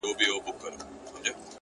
کلونه کيږي چي هغه پر دې کوڅې نه راځي-